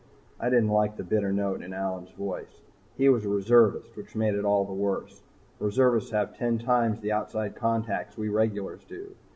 I didn't like the bitter note in Allyn's voice. He was a reservist, which made it all the worse. Reservists have ten times the outside contacts we regulars do.